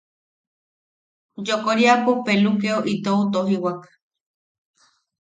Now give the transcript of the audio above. Yokoriapo pelukeo itou tojiwak.